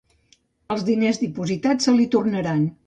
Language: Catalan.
Els diners dipositats se li tornaran.